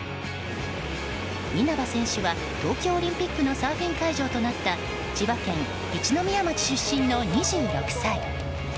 稲葉選手は東京オリンピックのサーフィン会場となった千葉県一宮町出身の２６歳。